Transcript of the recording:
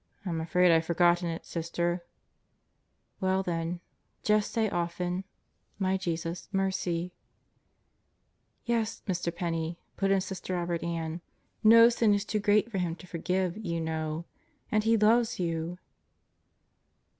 "I'm afraid I've forgotten it, Sister." "Well then, just say often: 'My Jesus, mercy!' " "Yes, Mr. Penney," put in Sister Robert Ann, "no sin is too great for Him to forgive, you know. And He loves you!